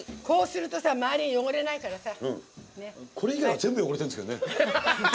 こうすると周りが汚れないから。